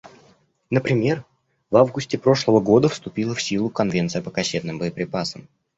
Например, в августе прошлого года вступила в силу Конвенция по кассетным боеприпасам.